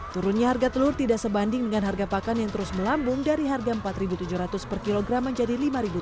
turunnya harga telur tidak sebanding dengan harga pakan yang terus melambung dari harga rp empat tujuh ratus per kilogram menjadi rp lima tiga ratus